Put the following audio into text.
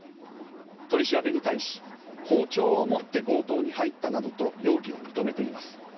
取り調べに対し包丁を持って強盗に入ったなどと容疑を認めています。